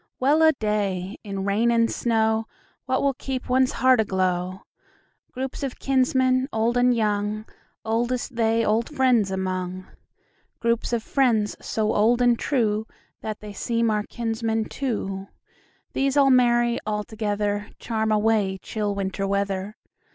Well a day! in rain and snowWhat will keep one's heart aglow? Groups of kinsmen, old and young, Oldest they old friends among; Groups of friends, so old and trueThat they seem our kinsmen too; These all merry all togetherCharm away chill Winter weather.